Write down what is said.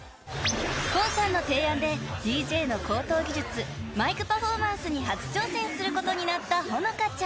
［ＫＯＯさんの提案でＤＪの高等技術マイクパフォーマンスに初挑戦することになった歩和